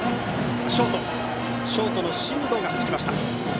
ショートの進藤がはじきました。